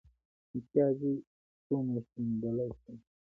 متيازې څونه شيندلی شمه.